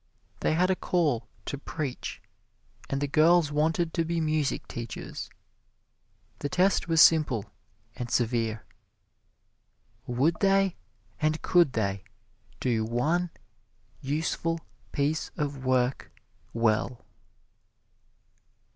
They had a call to preach and the girls wanted to be music teachers. The test was simple and severe: would they and could they do one useful piece of work well?